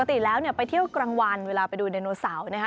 ปกติแล้วเนี่ยไปเที่ยวกลางวันเวลาไปดูไดโนเสาร์นะคะ